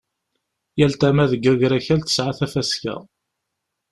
Yal tama deg wagrakal tesɛa tafaska.